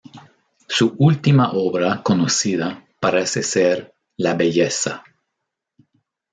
Su última obra conocida parece ser "La belleza.